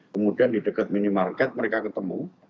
kemudian di dekat minimarket mereka ketemu